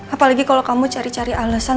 apalagi kalo kamu cari cari alesan